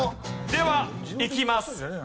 ではいきます。